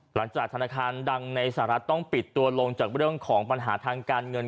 หลังจากธนาคารดังในสหรัฐต้องปิดตัวลงจากเรื่องของปัญหาทางการเงิน